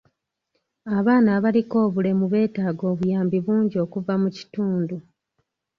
Abaana abaliko obulemu beetaaga obuyambi bungi okuva mu kitundu.